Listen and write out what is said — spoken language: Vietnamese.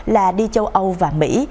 là đi châu âu và mỹ